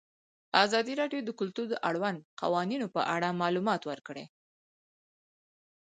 ازادي راډیو د کلتور د اړونده قوانینو په اړه معلومات ورکړي.